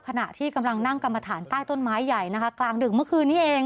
ขณะที่กำลังนั่งกรรมฐานใต้ต้นไม้ใหญ่นะคะกลางดึกเมื่อคืนนี้เอง